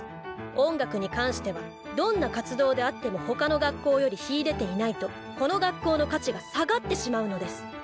音楽に関してはどんな活動であっても他の学校より秀でていないとこの学校の価値が下がってしまうのです。